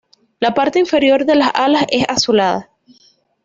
La parte inferior de las alas es azulada.